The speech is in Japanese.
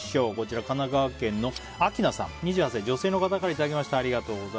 神奈川県の２８歳、女性の方からいただきました。